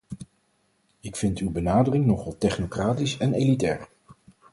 Ik vind uw benadering nogal technocratisch en elitair.